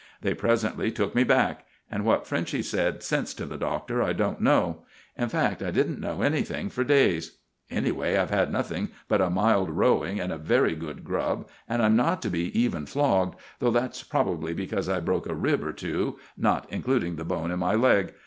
They presently took me back, and what Frenchy's said since to the Doctor I don't know. In fact, I didn't know anything for days. Anyway, I've had nothing but a mild rowing and very good grub, and I'm not to be even flogged, though that's probably because I broke a rib or two, not including the bone in my leg.